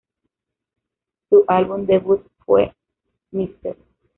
Su álbum debut fue Mr.